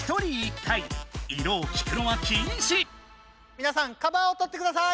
みなさんカバーをとってください。